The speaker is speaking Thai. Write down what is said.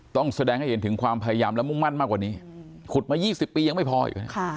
ต้องแสดงให้เห็นถึงความพยายามและมุ่งมั่นมากกว่านี้ขุดมา๒๐ปียังไม่พออีก